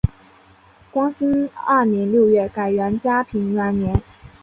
光兴二年六月改元嘉平元年。